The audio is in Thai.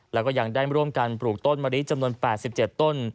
แล้วก็ยังได้ร่วมกันปลูกต้นมะลิจำนวน๘๗ต้น